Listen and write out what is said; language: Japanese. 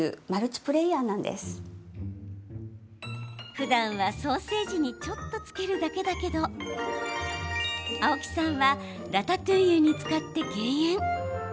ふだんはソーセージにちょっと、つけるだけだけど青木さんはラタトゥイユに使って減塩。